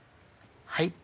はい。